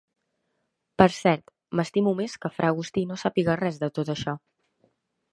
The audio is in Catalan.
Per cert, m'estimo més que fra Agustí no sàpiga res de tot això.